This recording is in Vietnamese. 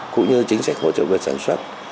cũng như chính sách hỗ trợ về sản xuất